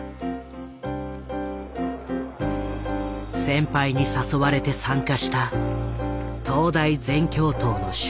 先輩に誘われて参加した東大全共闘の集会。